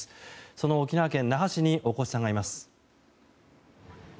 その沖縄県那覇市に大越さんがいます。